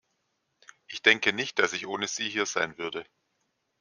Ich denke nicht, dass ich ohne sie hier sein würde.